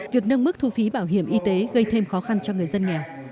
việc nâng mức thu phí bảo hiểm y tế gây thêm khó khăn cho người dân nghèo